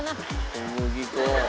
小麦粉。